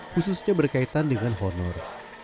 khususnya berkaitan dengan honor